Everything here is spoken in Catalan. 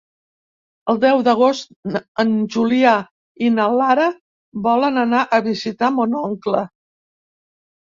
El deu d'agost en Julià i na Lara volen anar a visitar mon oncle.